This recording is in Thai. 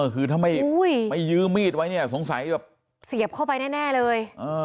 คือถ้าไม่ยื้อมีดไว้เนี่ยสงสัยแบบเสียบเข้าไปแน่เลย